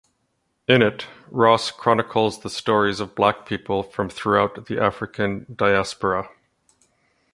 In it, Ross chronicles the stories of black people from throughout the African diaspora.